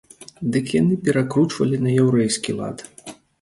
Дык яны перакручвалі на яўрэйскі лад.